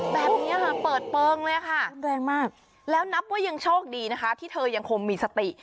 แบบนี้ค่ะเปิดเปลืองเลยค่ะแรงมากแล้วนับว่ายังโชคดีนะคะที่เธอยังคงมีสติ